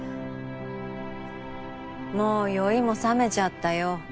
もう酔いも覚めちゃったよ。